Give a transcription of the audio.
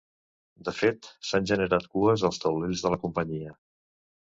De fet, s’han generat cues als taulells de la companyia.